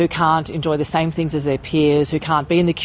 yang tidak bisa menikmati hal yang sama seperti kawan kawan mereka